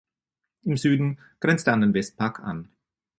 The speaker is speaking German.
Im Süden grenzt er an den Westpark an.